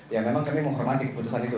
ya memang kami menghormati keputusan itu